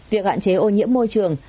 việc hạn chế ô nhiễm môi trường